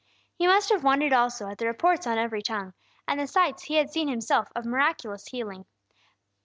He must have wondered also at the reports on every tongue, and the sights he had seen himself of miraculous healing.